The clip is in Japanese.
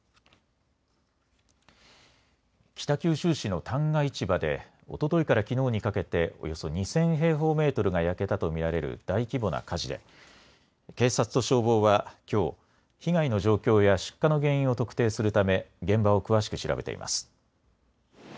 北九州市の旦過市場でおとといからきのうにかけておよそ２０００平方メートルが焼けたと見られる大規模な火事で、警察と消防は、きょう被害の状況や出火の原因を特定するため現場を詳しく調べています。